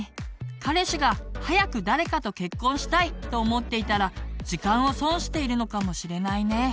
彼氏が「早く誰かと結婚したい」と思っていたら時間を損しているのかもしれないね。